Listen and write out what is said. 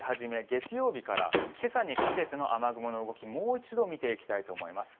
月曜日から今朝にかけての雨雲の動き、もう一度見ていきたいと思います。